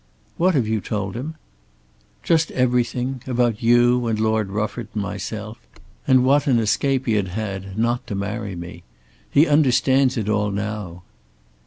"What have you told him?" "Just everything about you and Lord Rufford and myself, and what an escape he had had not to marry me. He understands it all now."